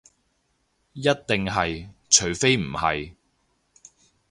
一定係，除非唔係